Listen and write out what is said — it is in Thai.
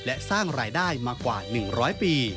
และสร้างรายได้มากว่า๑๐๐ปี